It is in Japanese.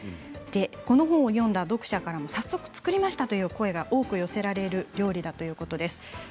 この本を読んだ読者から早速作りましたという声が多く寄せられる料理だということです。